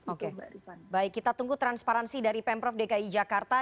oke baik kita tunggu transparansi dari pemprov dki jakarta